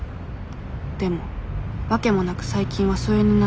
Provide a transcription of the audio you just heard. でも訳もなく最近は疎遠になっている。